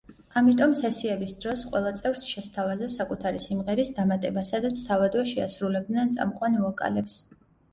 ამიტომ სესიების დროს ყველა წევრს შესთავაზა საკუთარი სიმღერის დამატება, სადაც თავადვე შეასრულებდნენ წამყვან ვოკალებს.